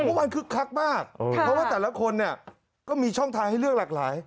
คึกคักมากเพราะว่าแต่ละคนเนี่ยก็มีช่องทางให้เลือกหลากหลาย